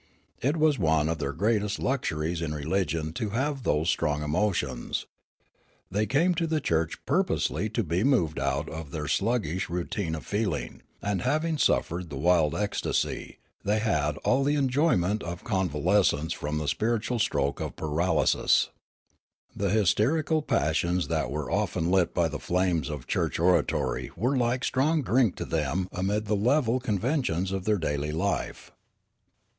It was one of their greatest luxuries in religion to have those strong emotions. They came to 88 Riallaro the church purposely to be mov ed out of their shig gish routine of feeling ; and, having suffered the wild ecstasy, they had all the enjoj ment of convalescence from the spiritual stroke of paralysis. The hysterical passions that were often lit by the flame of church oratory were like strong drink to them amid the level conventions of their daily life.